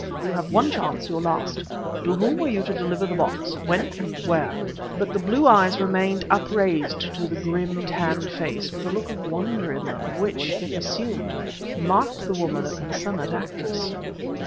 You have one chance your last. To whom were you to deliver the box? when and where?" But the blue eyes remained upraised to the grim tanned face with a look of wonder in them, which, if assumed, marked the woman a consummate actress.